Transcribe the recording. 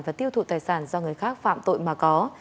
và tiêu thụ tài sản do người khác phạm tội mà có